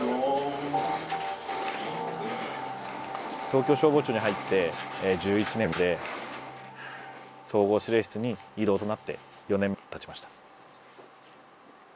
東京消防庁に入って１１年で総合指令室に異動となって４年たちました。